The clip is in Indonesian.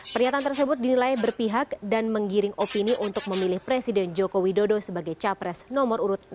pernyataan tersebut dinilai berpihak dan menggiring opini untuk memilih presiden joko widodo sebagai capres nomor urut dua